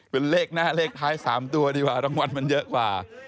เป็นเลขหน้าเลขท้าย๓ตัวดีกว่ารางวัลมันเยอะกว่า